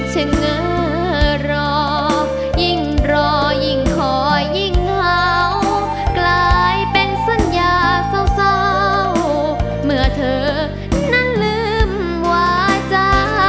เช่งเหนือรอยิ่งรอยิ่งคอยยิ่งเหากลายเป็นสัญญาซาวเมื่อเธอนั้นลืมว่าจะ